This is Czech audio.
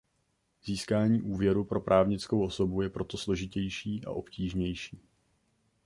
Získání úvěru pro právnickou osobu je proto složitější a obtížnější.